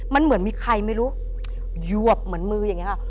มันเหมือนมีใครไม่รู้ยวกเหมือนมืออย่างนี้ค่ะ